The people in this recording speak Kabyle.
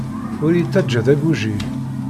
Ur iyi-ttaǧǧa d agujil.